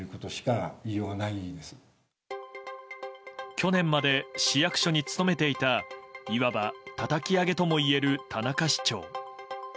去年まで市役所に勤めていたいわば、たたき上げともいえる田中市長。